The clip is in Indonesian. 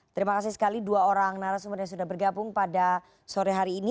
terima kasih sekali dua orang narasumber yang sudah bergabung pada sore hari ini